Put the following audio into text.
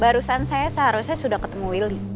barusan saya seharusnya sudah ketemu willy